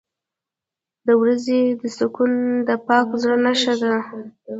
• د ورځې سکون د پاک زړه نښه ده.